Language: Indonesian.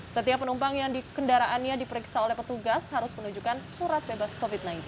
setiap penumpang yang dikendaraannya diperiksa oleh petugas harus menunjukkan surat bebas covid sembilan belas